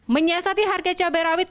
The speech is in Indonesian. menyiasati harga cabai rawit